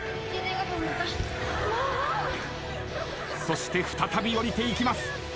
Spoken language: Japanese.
そして再び下りていきます。